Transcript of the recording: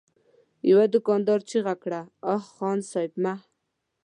يوه دوکاندار چيغه کړه: اه! خان صيب! مه!